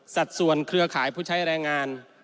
สัดส่วนเครือข่ายผู้ใช้แรงงาน